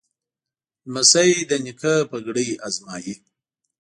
لمسی د نیکه پګړۍ ازمایي.